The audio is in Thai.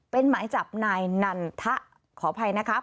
เป็นหมายจับนายนันทะขออภัยนะครับ